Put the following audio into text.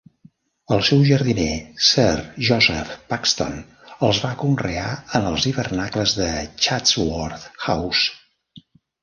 El seu jardiner, Sir Joseph Paxton els va conrear en els hivernacles de Chatsworth House.